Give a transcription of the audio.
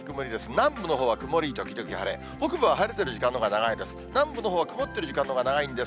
南部のほうは曇り時々晴れ、北部は晴れてる時間のほうが長いです。